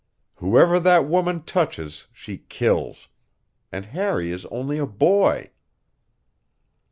Whoever that woman touches she kills. And Harry is only a boy."